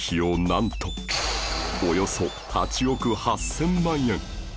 なんとおよそ８億８０００万円！